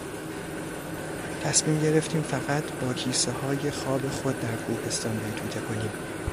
تصمیم گرفتیم فقط باکیسههای خواب خود در کوهستان بیتوته کنیم.